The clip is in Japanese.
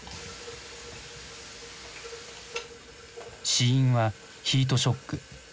死因はヒートショック。